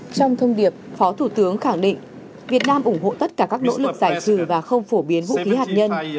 trong thông điệp phó thủ tướng khẳng định việt nam ủng hộ tất cả các nỗ lực giải trừ và không phổ biến vũ khí hạt nhân